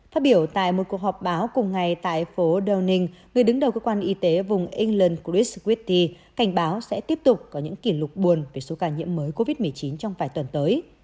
phát biểu tại một cuộc họp báo cùng ngày tại phố downing người đứng đầu cơ quan y tế vùng england cris critti cảnh báo sẽ tiếp tục có những kỷ lục buồn về số ca nhiễm mới covid một mươi chín trong vài tuần tới